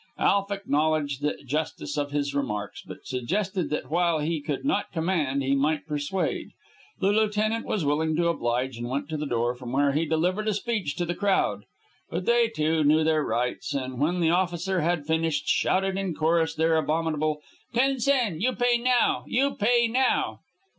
Alf acknowledged the justice of his remarks, but suggested that while he could not command he might persuade. The lieutenant was willing to oblige, and went to the door, from where he delivered a speech to the crowd. But they, too, knew their rights, and, when the officer had finished, shouted in chorus their abominable "Ten sen! You pay now! You pay now!"